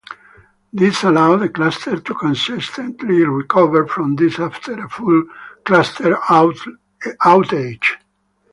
This allows the cluster to consistently recover from disk after a full cluster outage.